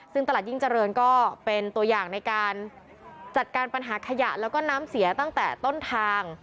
ซึ่งตลาดยิ่งเจริญก็เป็นตัวอย่างในการจัดการปัญหาขยะแล้วก็น้ำเสียตั้งแต่ต้นทาง